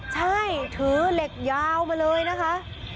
ใช่ถือเหล็กยาวมาเลยนะคะ